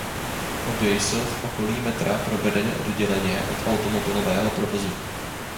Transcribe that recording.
Obě jsou v okolí metra vedeny odděleně od automobilového provozu.